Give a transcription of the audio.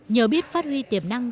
nhờ biết phát huy tiềm năng